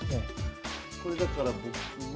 これだから僕は。